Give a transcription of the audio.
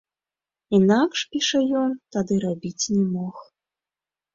Інакш, піша ён, тады рабіць не мог.